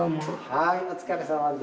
はいお疲れさまです。